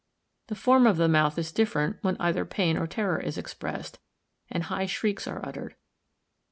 The form of the mouth is different when either pain or terror is expressed, and high shrieks are uttered.